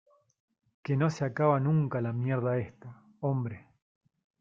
que no se acaba nunca la mierda esta, hombre.